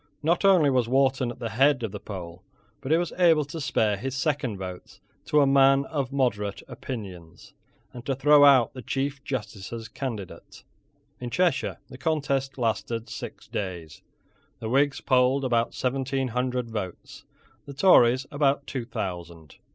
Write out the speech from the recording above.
Not only was Wharton at the head of the poll; but he was able to spare his second votes to a man of moderate opinions, and to throw out the Chief Justice's candidate. In Cheshire the contest lasted six days. The Whigs polled about seventeen hundred votes, the Tories about two thousand.